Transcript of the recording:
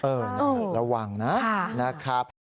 เออระวังนะนะครับ